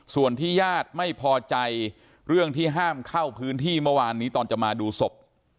ส่วนที่ญาติไม่พอใจเรื่องที่ห้ามเข้าพื้นที่เมื่อวานนี้ตอนจะมาดูศพ